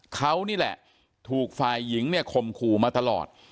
เขานี่แหละถูกฝ่ายหญิงเนี่ยข่มขู่มาตลอด